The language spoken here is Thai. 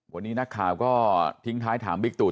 วันนี้นักข่าวก็ทิ้งท้ายถามบิ๊กตู่